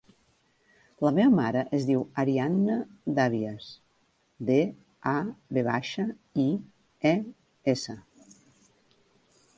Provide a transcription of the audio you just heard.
La meva mare es diu Arianna Davies: de, a, ve baixa, i, e, essa.